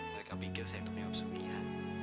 mereka pikir saya itu memang sukiah